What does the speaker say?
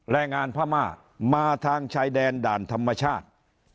แรงงานพม่ามาทางชายแดนด่านธรรมชาติ